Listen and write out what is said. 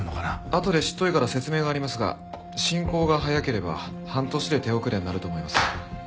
あとで執刀医から説明がありますが進行が早ければ半年で手遅れになると思います。